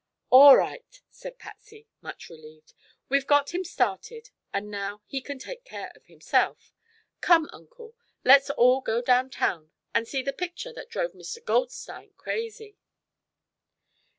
"All right," said Patsy, much relieved. "We've got him started and now he can take care of himself. Come, Uncle; let's all go down town and see the picture that drove Mr. Goldstein crazy."